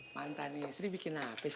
mantan istri bikin apa sih